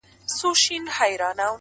اوس مي نو ومرگ ته انتظار اوسئ;